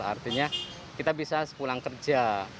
artinya kita bisa sepulang kerja